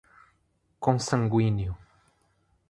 consanguíneo